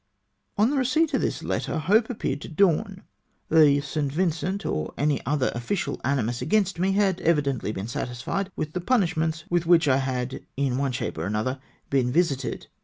On the receipt of tliis letter hope appeared to dawn. Tlie St. Vincent or any other official animus against me had evidently been satisfied with the punishments with which I had in one shape or other been visited.